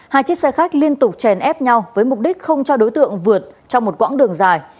hai chiếc xe khách liên tục chèn ép nhau với mục đích không cho đối tượng vượt trong một quãng đường dài